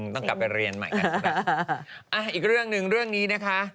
ต้องกลับไปเรียนใหม่กันอีกเรื่องหนึ่งเรื่องนี้นะคะ